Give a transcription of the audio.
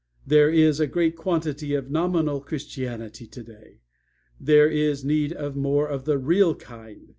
There is a great quantity of nominal Christianity today. There is need of more of the real kind.